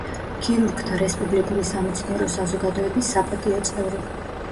ქირურგთა რესპუბლიკური სამეცნიერო საზოგადოების საპატიო წევრი.